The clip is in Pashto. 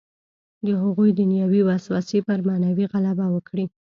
د هغوی دنیوي وسوسې پر معنوي غلبه وکړي.